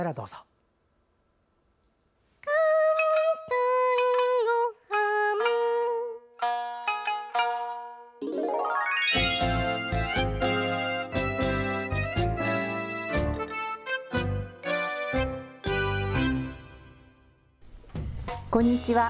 こんにちは。